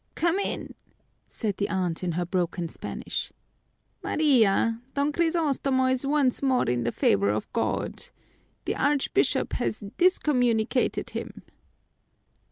"Come in," said the aunt in her broken Spanish. "Maria, Don Crisostomo is once more in the favor of God. The Archbishop has discommunicated him."